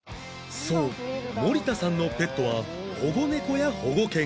そう森田さんのペットは保護猫や保護犬